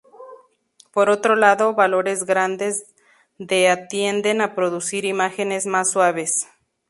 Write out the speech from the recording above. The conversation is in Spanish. Por otro lado, valores grandes de a tienden a producir imágenes más suaves.